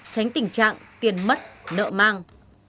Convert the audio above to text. tránh tình trạng tiền mất nợ mang